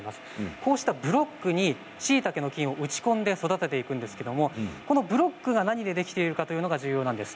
こうしたブロックにしいたけの菌を打ち込んで育てていくんですけれどもこのブロックが何でできてるかというのが重要です。